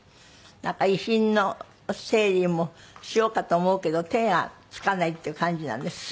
遺品の整理もしようかと思うけど手がつかないっていう感じなんですって？